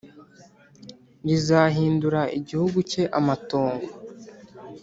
Rizahindura igihugu cye amatongo